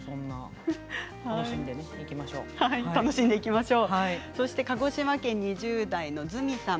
楽しんでいきましょう。